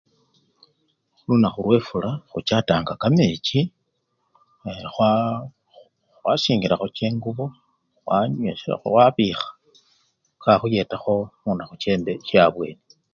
Lunakhu lwefula khuchatanga kamechi ee! khwa! khwasingilakho chingubo, khwanyesyakho khwabikha kakhuyetakho munakhu chembe! che-abweni.